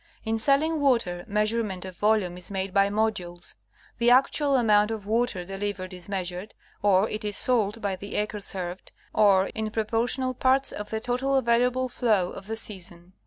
In selling water, measurement of volume is made by modules — the actual amount of water delivered is measured — or it is sold by the acre served, or in pro portional parts of the total available flow of the season.